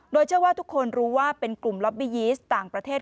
โดยเชื่อว่าทุกคนรู้ว่าเป็นกลุ่มล็อบบียีสต่างประเทศ